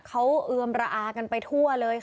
เขาเอือมระอากันไปทั่วเลยค่ะ